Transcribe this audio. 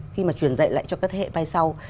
khi mà truyền dạy lại cho các thế hệ mai sau